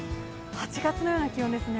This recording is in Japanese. ８月のような気温ですね。